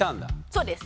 そうです。